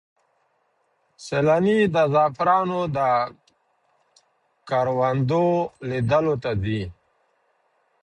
سیلانۍ د زعفرانو د کروندو لیدلو ته ځي.